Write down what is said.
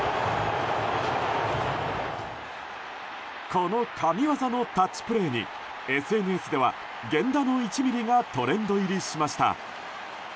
この神業のタッチプレーにＳＮＳでは源田の１ｍｍがトレンド入りしました。